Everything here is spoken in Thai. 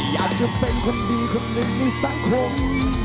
อยากจะเป็นคนดีคนหนึ่งในสังคม